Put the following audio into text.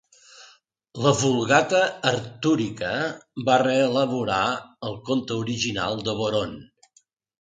La Vulgata artúrica va reelaborar el conte original de Boron.